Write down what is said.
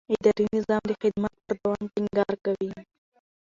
اداري نظام د خدمت پر دوام ټینګار کوي.